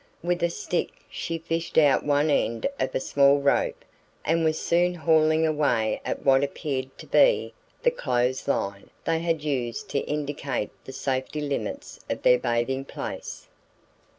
With a stick she fished out one end of a small rope and was soon hauling away at what appeared to be the "clothes line" they had used to indicate the safety limits of their bathing place.